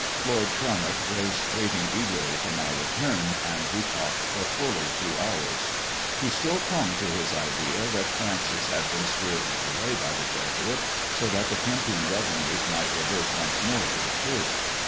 Lord Tormouth was waiting eagerly for my return, and we talked for fully two hours. He still clung to his i( THE JESUIT AND IRE HSXICAN COIIT 291 that K ancis had been spirited away by the Jesuit, bo that tbe Kempion revenues might revert once more to the Church.